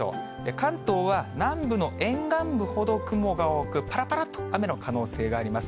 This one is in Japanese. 関東は南部の沿岸部ほど、雲が多く、ぱらぱらっと雨の可能性があります。